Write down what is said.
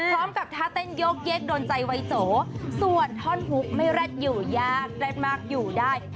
พร้อมกับท่าเต้นโยกเย็กโดนใจไวโจส่วนท่อนหูไม่แร็ดอยู่ยากแร็ดมากอยู่ได้